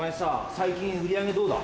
最近売り上げどうだ？